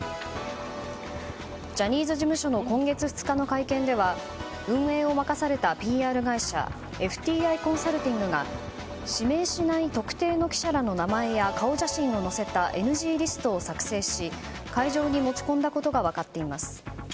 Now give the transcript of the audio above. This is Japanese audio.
ジャニーズ事務所の今月２日の会見では運営を任されたＰＲ会社ＦＴＩコンサルティングが指名しない特定の記者らの名前や顔写真を載せたＮＧリストを作成し、会場に持ち込んだことが分かっています。